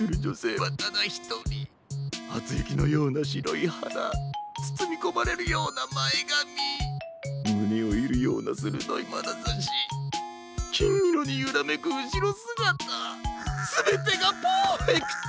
はつゆきのようなしろいはだつつみこまれるようなまえがみむねをいるようなするどいまなざしきんいろにゆらめくうしろすがたすべてがパーフェクト！